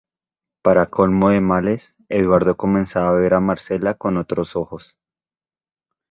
Para colmo de males, Eduardo comenzaba a ver a Marcela con otros ojos.